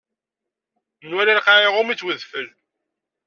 Nwala lqaɛa iɣumm-itt wedfel.